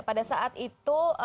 pada saat itu